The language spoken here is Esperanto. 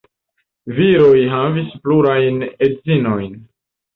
Viroj havis plurajn edzinojn.